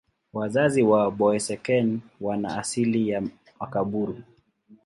Wazazi wa Boeseken wana asili ya Makaburu.